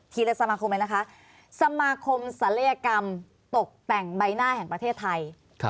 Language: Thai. ละสมาคมเลยนะคะสมาคมศัลยกรรมตกแต่งใบหน้าแห่งประเทศไทย